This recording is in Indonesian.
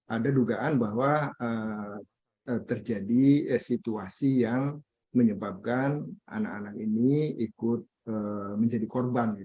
ada dugaan bahwa terjadi situasi yang menyebabkan anak anak ini ikut menjadi korban